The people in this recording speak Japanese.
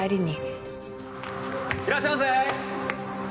いらっしゃいませ！